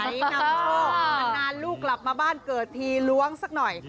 นำโชคนานลูกกลับมาบ้านเกิดทีล้วงสักหน่อย